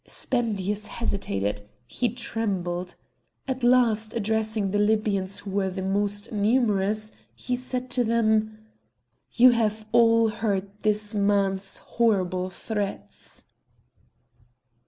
Spendius hesitated; he trembled; at last, addressing the Libyans who were the most numerous, he said to them: "You have all heard this man's horrible threats!"